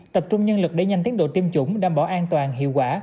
tập trung nhân lực để nhanh tiến độ tiêm chủng đảm bảo an toàn hiệu quả